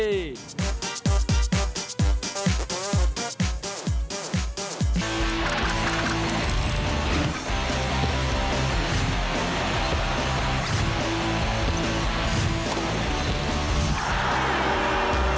สวัสดีครับ